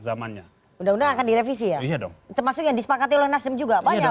zamannya undang undang akan direvisi ya dong termasuk yang disepakati oleh nasdem juga banyak